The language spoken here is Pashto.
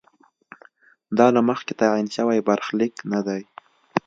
دا له مخکې تعین شوی برخلیک نه دی.